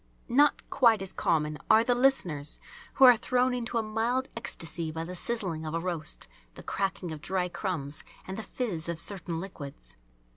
Not quite as common are the listeners "who are thrown into a mild ecstasy by the sizzling of a roast, the cracking of dry crumbs, and the fiz of certain liquids."